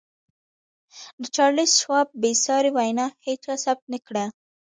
د چارليس شواب بې ساري وينا هېچا ثبت نه کړه.